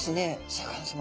シャーク香音さま。